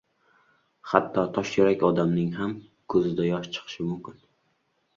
• Hatto toshyurak odamning ham ko‘zida yosh chiqishi mumkin.